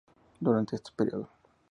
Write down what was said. Durante este período.